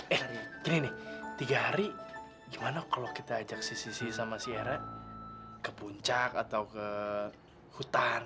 eh gini nih tiga hari gimana kalau kita ajak si sisi sama si hera ke puncak atau ke hutan